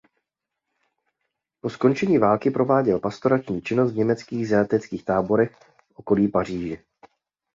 Po skončení války prováděl pastorační činnost v německých zajateckých táborech v okolí Paříže.